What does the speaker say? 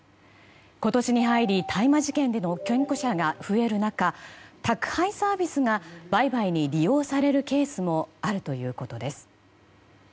今年に入り大麻事件での検挙者が増える中宅配サービスが売買に利用されるケースもあるということです。